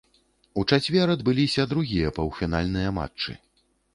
У чацвер адбыліся другія паўфінальныя матчы.